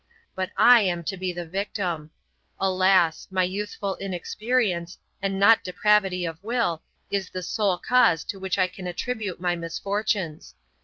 But I am to be the victim. Alas! my youthful inexperience, and not depravity of will, is the sole cause to which I can attribute my misfortunes.